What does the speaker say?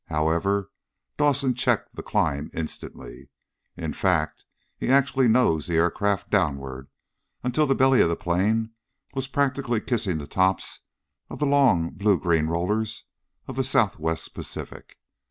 However, Dawson checked the climb instantly. In fact, he actually nosed the aircraft downward until the belly of the plane was practically kissing the tops of the long blue green rollers of the Southwest Pacific.